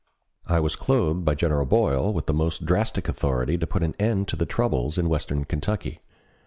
I was clothed by General Boyle with the most drastic authority to put an end to the troubles in western Kentucky.